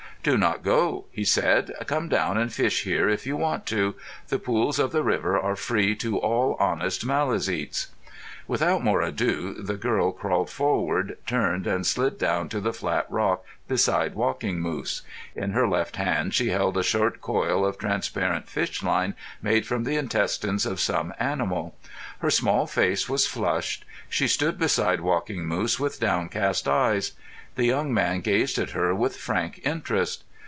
"Do not go," he said. "Come down and fish here if you want to. The pools of the river are free to all honest Maliseets." Without more ado, the girl crawled forward, turned, and slid down to the flat rock beside Walking Moose. In her left hand she held a short coil of transparent fish line made from the intestines of some animal. Her small face was flushed. She stood beside Walking Moose with downcast eyes. The young man gazed at her with frank interest.